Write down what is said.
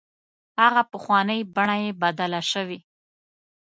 هغه پخوانۍ بڼه یې بدله شوې.